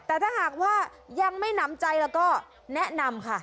แต่ถ้าหากว่ายังไม่หนำใจแล้วก็แนะนำค่ะ